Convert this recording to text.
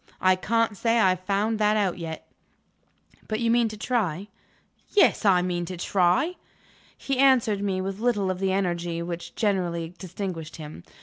I can't say I have found that out yet." "But you mean to try?" "Yes; I mean to try." He answered me with little of the energy which generally distinguished him.